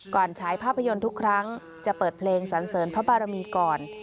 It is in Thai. ฉายภาพยนตร์ทุกครั้งจะเปิดเพลงสันเสริญพระบารมีก่อน